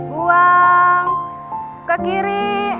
buang ke kiri